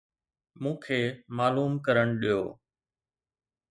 مون کي معلوم ڪرڻ ڏيو